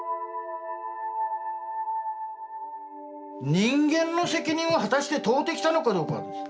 人間の責任を果たして問うてきたのかどうかですよ。